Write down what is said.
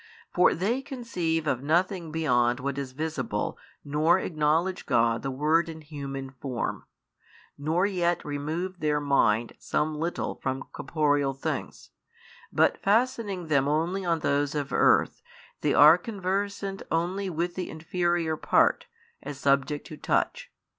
And they conceive of nothing beyond what is visible nor acknowledge God the Word in human form, nor vet remove their mind some little from |670 corporeal things, but fastening them only on those of earth, they are conversant only with the inferior part, as subject to touch.